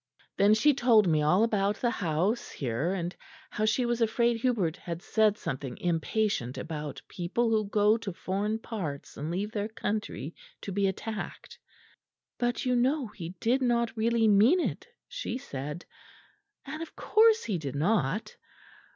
Then she told me all about the house here; and how she was afraid Hubert had said something impatient about people who go to foreign parts and leave their country to be attacked, 'But you know he did not really mean it,' she said; and of course he did not.